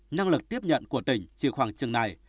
năng lực tiếp nhận của tỉnh chỉ khoảng chừng này